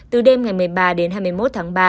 từ đêm ngày một mươi ba đến hai mươi một tháng ba